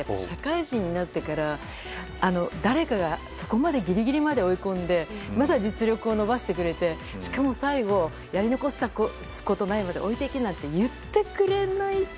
社会人になってから誰かが、そこまでギリギリまで追い込んでまだ実力を伸ばしてくれてしかも最後、やり残すことなく置いていけって言ってくれない。